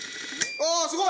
ああすごい！